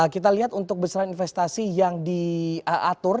kita lihat untuk besaran investasi yang diatur